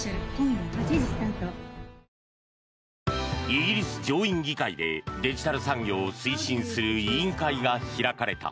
イギリス上院議会でデジタル産業を推進する委員会が開かれた。